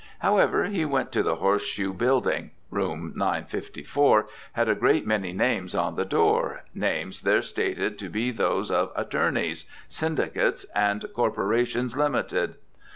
However he went to the Horseshoe Building. Room 954 had a great many names on the door, names there stated to be those of "attorneys," "syndicates," and "corporations, limited."